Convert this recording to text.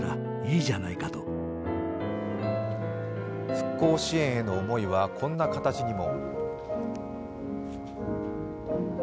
復興支援への思いはこんな形にも。